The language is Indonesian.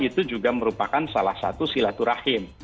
itu juga merupakan salah satu silaturahim